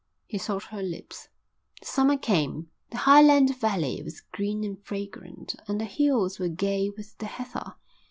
He sought her lips. The summer came. The highland valley was green and fragrant, and the hills were gay with the heather.